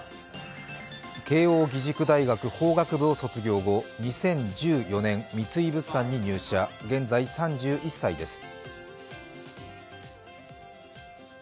慶応義塾大学法学部を卒業後、２０１４年、三井物産に入社現在、３１歳です。